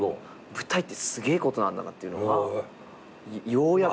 舞台ってすげえことなんだなっていうのがようやく。